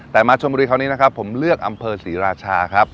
แต่มาชนบุรีคราวนี้นะครับผมเลือกอำเภอศรีราชาครับ